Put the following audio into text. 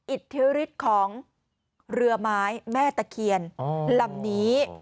อิทธิฤทธิ์ของเรือไม้แม่ตะเคียนลำนี้